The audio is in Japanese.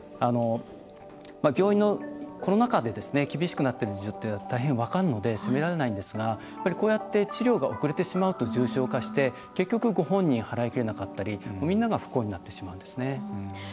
病院のコロナ禍での厳しくなっている事情は分かるので責められないんですがこうやって治療が遅れてしまうと重症化して結局、ご本人が払い切れなかったりみんなが不幸になってしまうんですね。